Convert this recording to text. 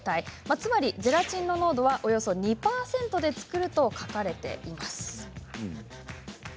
つまりゼラチンの濃度は、およそ２％で作ると書かれています。